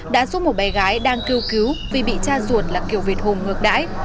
đã giúp một bé gái đang kêu cứu vì bị cha ruột là kiều việt hùng ngược đãi